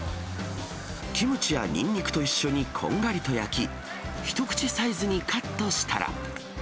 キムチやにんにくと一緒にこんがりと焼き、一口サイズにカットしたら。